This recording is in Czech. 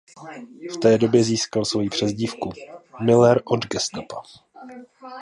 V té době získal svoji přezdívku ""Müller od Gestapa"".